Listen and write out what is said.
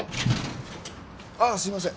ああすいません。